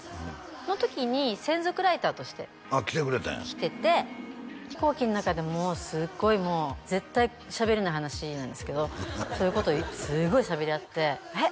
その時に専属ライターとして来てて飛行機の中でもうすごい絶対しゃべれない話なんですけどそういうことをすごいしゃべり合ってえっ